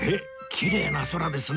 きれいな空ですね